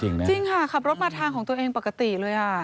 จริงนะจริงค่ะขับรถมาทางของตัวเองปกติเลยอ่ะ